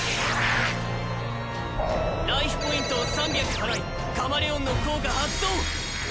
ライフポイントを３００払いカマレオンの効果発動！